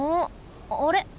あれ？